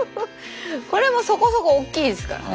これもそこそこ大きいですからね。